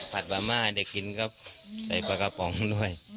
ปัดบาลมาให้ได้กินครับใส่ปากกะป๋องด้วย